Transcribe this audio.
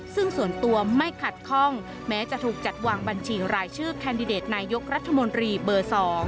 ซึ่งส่วนตัวไม่ขัดข้องแม้จะถูกจัดวางบัญชีรายชื่อแคนดิเดตนายกรัฐมนตรีเบอร์๒